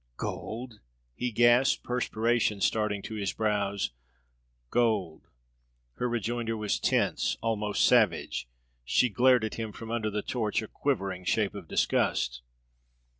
"Gold?" he gasped, perspiration starting to his brows. "Gold!" Her rejoinder was tense, almost savage; she glared at him from under the torch, a quivering shape of disgust.